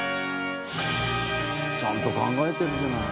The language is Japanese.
ちゃんと考えてるじゃない。